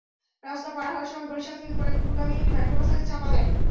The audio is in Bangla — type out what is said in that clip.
রাস্তা পার হওয়ার সময় বরিশাল থেকে ফরিদপুরগামী একটি মাইক্রোবাস তাঁকে চাপা দেয়।